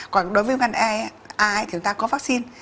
còn đối với viêm gan a thì chúng ta có vắc xin